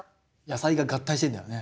野菜が合体してんだよね。